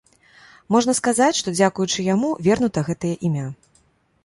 Можна сказаць, што дзякуючы яму вернута гэтае імя.